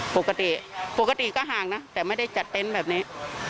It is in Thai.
ปกติปกติก็ห่างนะแต่ไม่ได้จัดเต็นต์แบบนี้